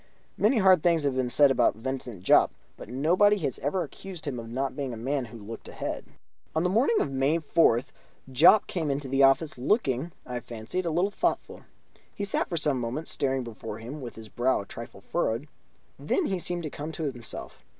Many hard things have been said of Vincent Jopp, but nobody has ever accused him of not being a man who looked ahead. On the morning of May 4th Jopp came into the office, looking, I fancied, a little thoughtful. He sat for some moments staring before him with his brow a trifle furrowed; then he seemed to come to himself.